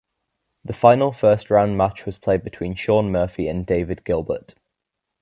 The final first round match was played between Shaun Murphy and David Gilbert.